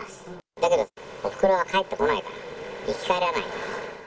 だけど、おふくろは帰ってこないから、生き返らないから。